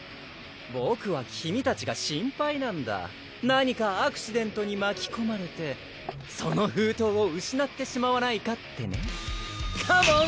ボクは君たちが心配なんだ何かアクシデントにまきこまれてその封筒をうしなってしまわないかってねカモン！